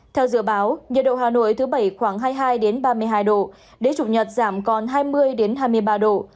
theo dự báo nhiệt độ hà nội thứ bảy khoảng hai mươi hai ba mươi hai độ đế chủ nhật giảm còn hai mươi hai mươi ba độ